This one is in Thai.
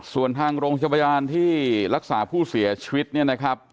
ส่วนทางโรงพยาบาลที่รักษาผู้เสียชีวิตเนี่ยนะครับ